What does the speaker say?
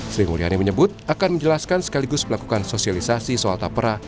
sri mulyani menyebut akan menjelaskan sekaligus melakukan sosialisasi soal tapera